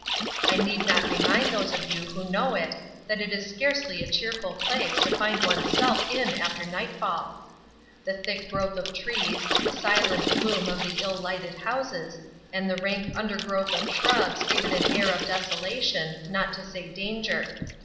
I need not remind those of you who know it that it is scarcely a cheerful place to find oneself in after nightfall. The thick growth of trees, the silent gloom of the ill lighted houses, and the rank undergrowth of shrubs give it an air of desolation, not to say danger.